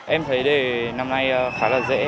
em thấy để năm nay khá là dễ